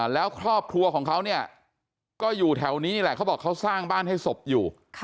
แล้วครอบครัวของเขาก็อยู่แถวนี้นี่แหละเขาบอกเขาสร้างบ้านให้ศพอยู่